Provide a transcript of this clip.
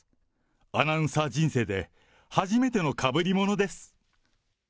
アナウンサー人生で、初めてのかぶり物です。